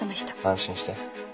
安心して。